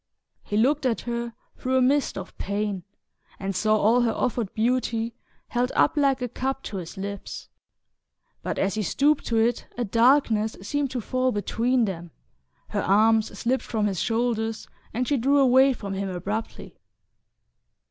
He looked at her through a mist of pain and saw all her offered beauty held up like a cup to his lips; but as he stooped to it a darkness seemed to fall between them, her arms slipped from his shoulders and she drew away from him abruptly.